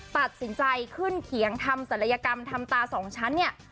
ตัดสินใจขึ้นเขียงทำศัลยกรรมทำตาสองชั้นเนี่ย